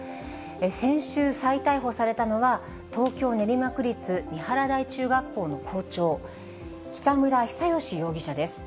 先週、再逮捕されたのは、東京・練馬区立三原台中学校の校長、北村比左嘉容疑者です。